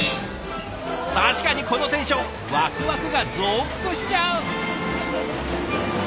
確かにこのテンションワクワクが増幅しちゃう！